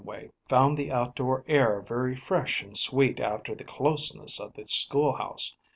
The Honorable Mr. Laneway found the outdoor air very fresh and sweet after the closeness of the school house.